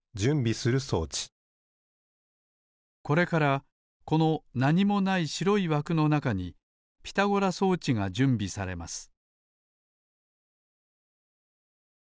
これからこのなにもないしろいわくのなかにピタゴラ装置がじゅんびされます